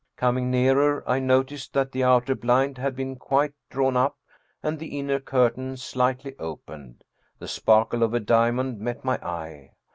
Coming nearer I noticed that the outer blind had been quite drawn up and the inner curtain slightly opened. The sparkle of a diamond met my eye.